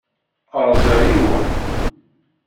Rẓiɣ yiwen.